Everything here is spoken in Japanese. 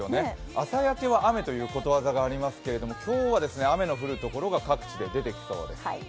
朝焼けは雨ということわざがありますけれども、今日は雨の降るところが各地で出てきそうです。